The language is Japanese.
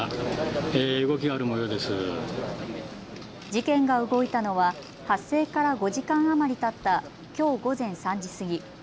事件が動いたのは発生から５時間余りたったきょう午前３時過ぎ。